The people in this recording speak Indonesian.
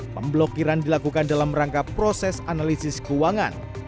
pemblokiran dilakukan dalam rangka proses analisis keuangan